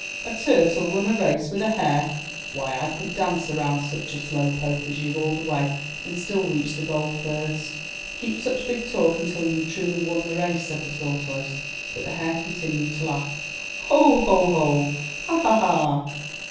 A Turtle run a race with a Hare! Why, I could dance around such a slow poke as you all the way, and still reach the goal first.'* "Keep such big talk until you've truly won the race," said the Tortoise. But the Hare continued to laugh: "Ho! Ho! Ho! Hah! Hah! Hah!